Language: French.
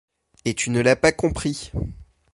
Et tu ne l’as pas compris !